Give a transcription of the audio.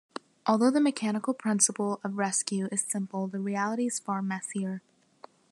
Although the mechanical principle of rescue is simple, the reality is far messier.